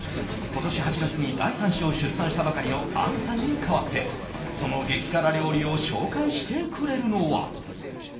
今年８月に第３子を出産したばかりの亜美さんに代わってその激辛料理を紹介してくれるのは。